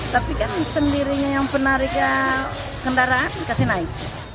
tapi kan sendirinya yang penarikan kendaraan dikasih naik